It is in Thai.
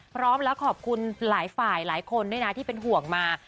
พร้อมแล้วขอบคุณหลายฝ่ายหลายคนด้วยนะที่เป็นห่วงมา